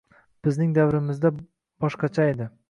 Bizning davrimizda boshqachaydi